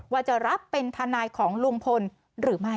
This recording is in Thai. ว่าจะรับเป็นทนายของลุงพลหรือไม่